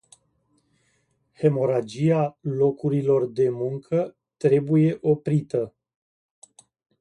Hemoragia locurilor de muncă trebuie oprită.